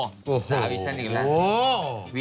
สาวดิฉันอีกแล้ว